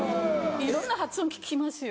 いろんな発音聞きますよ。